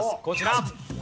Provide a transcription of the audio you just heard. こちら。